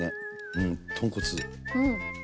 うん豚骨。